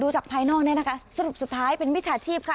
จากภายนอกเนี่ยนะคะสรุปสุดท้ายเป็นมิจฉาชีพค่ะ